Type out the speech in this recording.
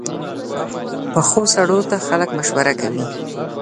پخو سړو ته خلک مشوره کوي